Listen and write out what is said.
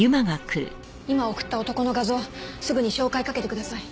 今送った男の画像すぐに照会かけてください。